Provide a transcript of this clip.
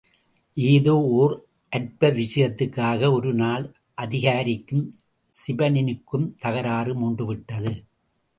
ஏதோ ஓர் அற்பவிஷயத்துக்காக ஒரு நாள் அதிகாரிக்கும் சிபனினுக்கும் தகராறு மூண்டுவிட்டது.